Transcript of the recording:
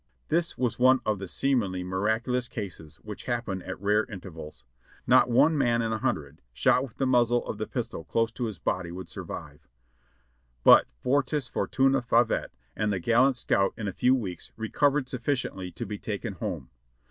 This was one of the seemingly miraculous cases which happen at rare intervals. Not one man in a hundred shot with the muzzle of the pistol close to his body would survive, but Fortes fortuna favet, and the gallant scout in a few weeks recovered sufficiently to be taken home.